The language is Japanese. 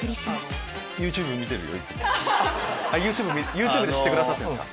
ＹｏｕＴｕｂｅで知ってくださってるんですか。